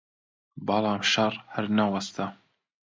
بەڵام شەڕ هەر نەوەستا